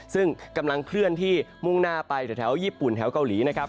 ซึ่งกำลังเคลื่อนที่มุ่งหน้าไปแถวญี่ปุ่นแถวเกาหลีนะครับ